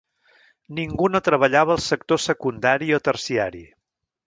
Ningú no treballava al sector secundari o terciari.